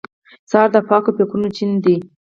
سهار د پاکو فکرونو چین دی.